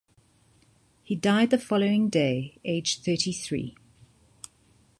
He died the following day, age thirty-three.